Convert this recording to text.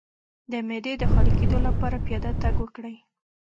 د معدې د خالي کیدو لپاره پیاده تګ وکړئ